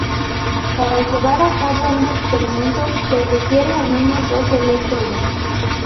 Para llevar a cabo un experimento se requieren al menos dos electrodos.